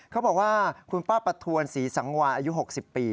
เขาบอกว่าคุณป้าประทวนศรีสังวาอายุ๖๐ปี